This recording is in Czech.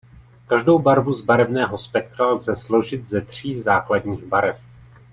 Každou barvu z barevného spektra lze složit ze tří základních barev.